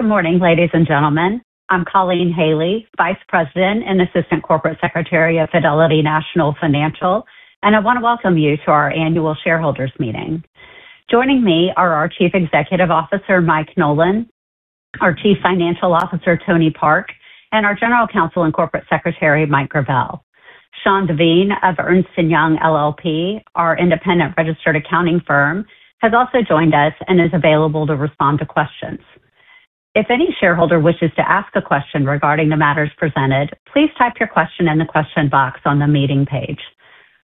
Good morning, ladies and gentlemen. I'm Colleen Haley, Vice President and Assistant Corporate Secretary of Fidelity National Financial, and I want to welcome you to our annual shareholders' meeting. Joining me are our Chief Executive Officer, Mike Nolan, our Chief Financial Officer, Tony Park, and our General Counsel and Corporate Secretary, Mike Gravelle. Sean Devine of Ernst & Young LLP, our independent registered accounting firm, has also joined us and is available to respond to questions. If any shareholder wishes to ask a question regarding the matters presented, please type your question in the question box on the meeting page.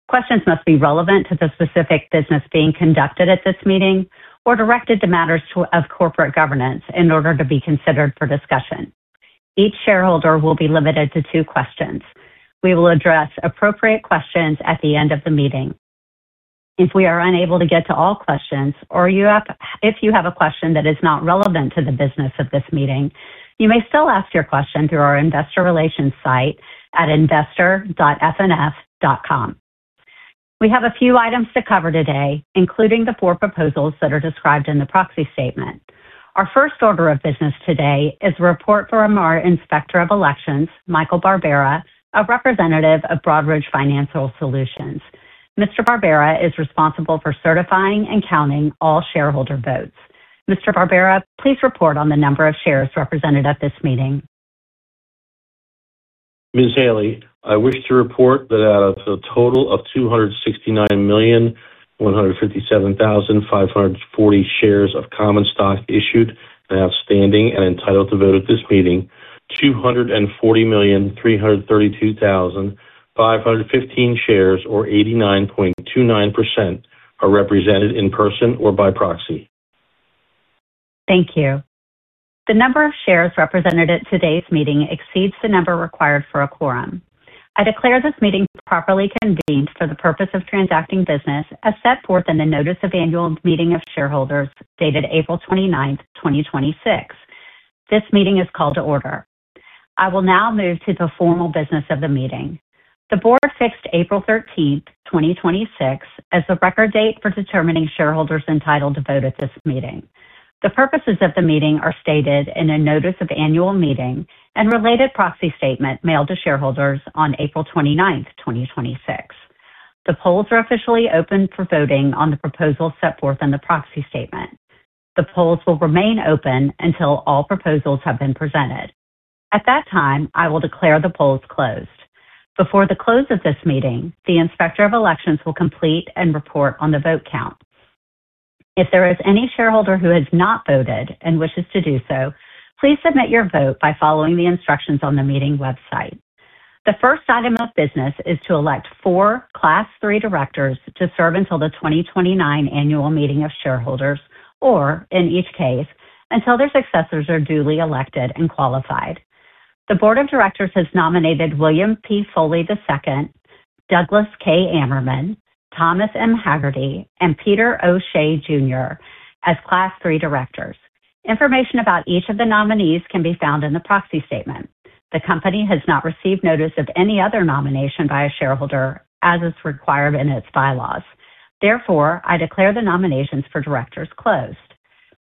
Questions must be relevant to the specific business being conducted at this meeting or directed to matters of corporate governance in order to be considered for discussion. Each shareholder will be limited to two questions. We will address appropriate questions at the end of the meeting. If we are unable to get to all questions, or if you have a question that is not relevant to the business of this meeting, you may still ask your question through our investor relations site at investor.fnf.com. We have a few items to cover today, including the four proposals that are described in the proxy statement. Our first order of business today is the report from our Inspector of Elections, Michael Barbera, a representative of Broadridge Financial Solutions. Mr. Barbera is responsible for certifying and counting all shareholder votes. Mr. Barbera, please report on the number of shares represented at this meeting. Ms. Haley, I wish to report that out of the total of 269,157,540 shares of common stock issued and outstanding and entitled to vote at this meeting, 240,332,515 shares or 89.29% are represented in person or by proxy. Thank you. The number of shares represented at today's meeting exceeds the number required for a quorum. I declare this meeting properly convened for the purpose of transacting business as set forth in the Notice of Annual Meeting of Shareholders, dated April 29th, 2026. This meeting is called to order. I will now move to the formal business of the meeting. The board fixed April 13th, 2026, as the record date for determining shareholders entitled to vote at this meeting. The purposes of the meeting are stated in a notice of annual meeting and related proxy statement mailed to shareholders on April 29th, 2026. The polls are officially open for voting on the proposals set forth in the proxy statement. The polls will remain open until all proposals have been presented. At that time, I will declare the polls closed. Before the close of this meeting, the Inspector of Elections will complete and report on the vote count. If there is any shareholder who has not voted and wishes to do so, please submit your vote by following the instructions on the meeting website. The first item of business is to elect four Class III directors to serve until the 2029 annual meeting of shareholders, or in each case, until their successors are duly elected and qualified. The board of directors has nominated William P. Foley, II, Douglas K. Ammerman, Thomas M. Hagerty, and Peter O'Shea Jr. as Class III directors. Information about each of the nominees can be found in the proxy statement. The company has not received notice of any other nomination by a shareholder, as is required in its bylaws. I declare the nominations for directors closed.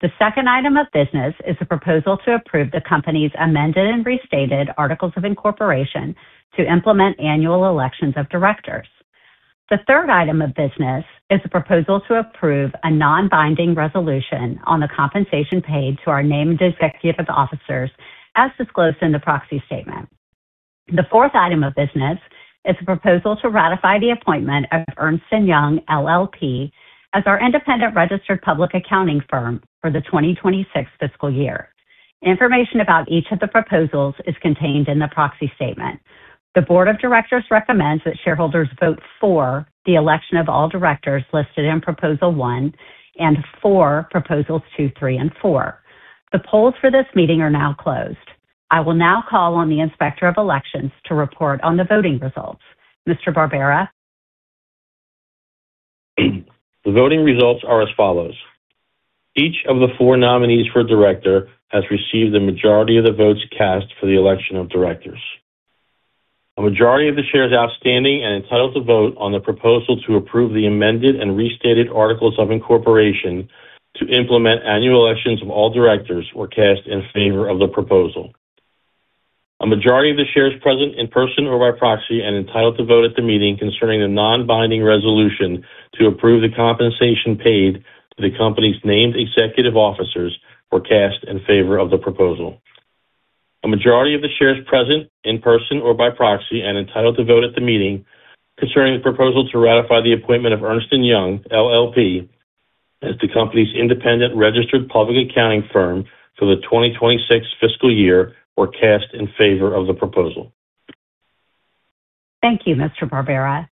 The second item of business is a proposal to approve the company's amended and restated articles of incorporation to implement annual elections of directors. The third item of business is a proposal to approve a non-binding resolution on the compensation paid to our named executive officers as disclosed in the proxy statement. The fourth item of business is a proposal to ratify the appointment of Ernst & Young LLP as our independent registered public accounting firm for the 2026 fiscal year. Information about each of the proposals is contained in the proxy statement. The board of directors recommends that shareholders vote for the election of all directors listed in Proposal 1 and for Proposals 2, 3, and 4. The polls for this meeting are now closed. I will now call on the Inspector of Elections to report on the voting results. Mr. Barbera? The voting results are as follows. Each of the four nominees for director has received the majority of the votes cast for the election of directors. A majority of the shares outstanding and entitled to vote on the proposal to approve the amended and restated articles of incorporation to implement annual elections of all directors were cast in favor of the proposal. A majority of the shares present in person or by proxy and entitled to vote at the meeting concerning the non-binding resolution to approve the compensation paid to the company's named executive officers were cast in favor of the proposal. A majority of the shares present in person or by proxy and entitled to vote at the meeting concerning the proposal to ratify the appointment of Ernst & Young LLP as the company's independent registered public accounting firm for the 2026 fiscal year were cast in favor of the proposal. Thank you, Mr. Barbera.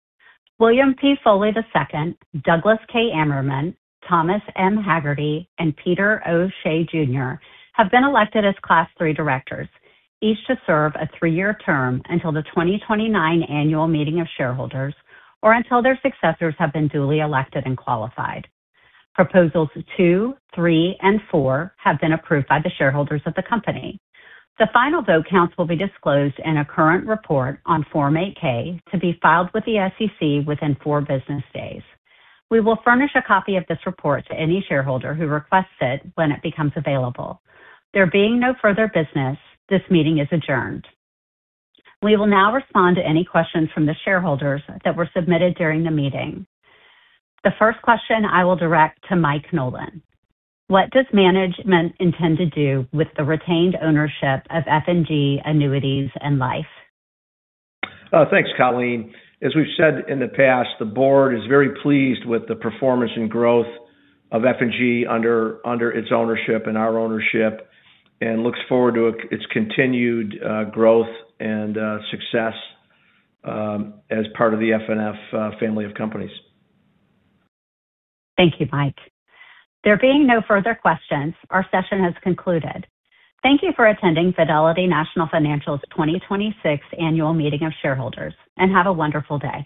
William P. Foley, II, Douglas K. Ammerman, Thomas M. Hagerty, and Peter O. Shea, Jr. have been elected as Class III directors, each to serve a three-year term until the 2029 annual meeting of shareholders or until their successors have been duly elected and qualified. Proposals 2, 3, and 4 have been approved by the shareholders of the company. The final vote counts will be disclosed in a current report on Form 8-K to be filed with the SEC within four business days. We will furnish a copy of this report to any shareholder who requests it when it becomes available. There being no further business, this meeting is adjourned. We will now respond to any questions from the shareholders that were submitted during the meeting. The first question I will direct to Mike Nolan. What does management intend to do with the retained ownership of F&G Annuities & Life? Thanks, Colleen. As we've said in the past, the board is very pleased with the performance and growth of F&G under its ownership and our ownership and looks forward to its continued growth and success as part of the FNF family of companies. Thank you, Mike. There being no further questions, our session has concluded. Thank you for attending Fidelity National Financial's 2026 Annual Meeting of Shareholders. Have a wonderful day.